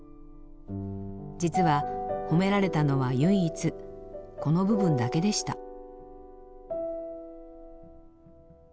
実は褒められたのは唯一この部分だけでした。